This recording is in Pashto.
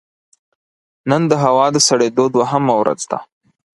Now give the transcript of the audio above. نن د هوا د سړېدو دوهمه ورځ ده